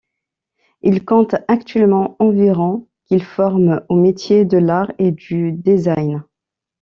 Il compte actuellement environ qu'il forme aux métiers de l'art et du design.